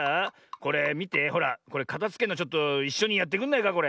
これかたづけんのちょっといっしょにやってくんないかこれ。